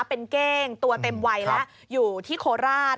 เป็นเก้งตัวเต็มวัยแล้วอยู่ที่โคราช